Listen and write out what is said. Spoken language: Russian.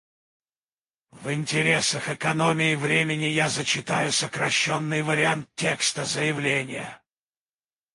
В интересах экономии времени я зачитаю сокращенный вариант текста заявления.